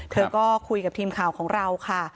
เธอก็คุยกับทีมข่าวของเราค่ะ